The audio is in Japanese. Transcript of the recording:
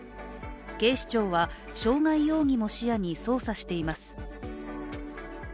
警視庁は傷害容疑も視野に捜査しています。